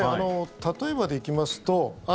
例えばで行きますと